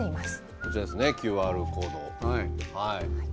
こちらですねＱＲコード。